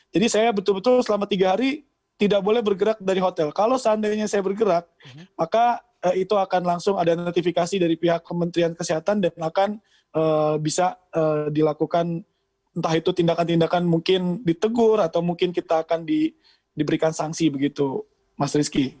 saya betul betul selama tiga hari tidak boleh bergerak dari hotel kalau seandainya saya bergerak maka itu akan langsung ada notifikasi dari pihak kementerian kesehatan dan akan bisa dilakukan entah itu tindakan tindakan mungkin ditegur atau mungkin kita akan diberikan sanksi begitu mas rizky